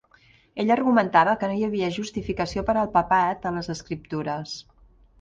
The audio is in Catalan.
Ell argumentava que no hi havia justificació per al papat a les escriptures.